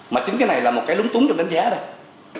mà chính cái này là một cái lúng túng trong đánh giá đâu